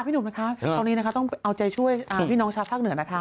ค่ะพี่หนุ่มนะครับตอนนี้ต้องเอาใจช่วยพี่น้องชาวภาคเหนือนะครับ